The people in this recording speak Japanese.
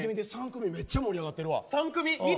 ３組がめっちゃ盛り上がってるわ。